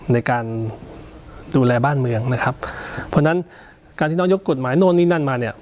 ในการดูแลบ้านเมืองนะครับเพราะฉะนั้นการที่น้องยกกฎหมายโน้นนี่นั่นมาเนี่ย